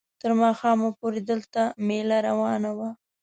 تر ماښامه پورې دلته مېله روانه وه.